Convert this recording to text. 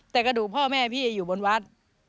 แต่กระดูกพ่อแม่พี่อยู่บนวัด